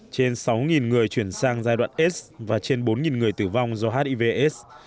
trên sáu người chuyển sang giai đoạn aids và trên bốn người tử vong do hiv aids